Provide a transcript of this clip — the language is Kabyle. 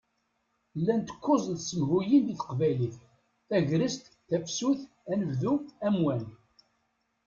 Llant kuẓ n tsemhuyin di teqbaylit: Tagrest, Tafsut, Anebdu, Amwan.